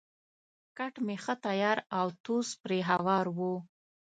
کټ مې ښه تیار او توس پرې هوار وو.